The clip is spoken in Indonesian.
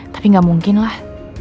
tapi gak mungkin lah